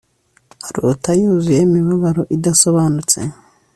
arota, yuzuye imibabaro idasobanutse